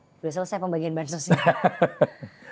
sudah selesai pembagian bahan sosnya